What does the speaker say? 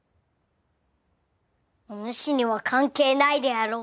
おぬしには関係ないであろう。